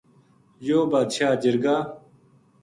یوہ بادشاہ جرگا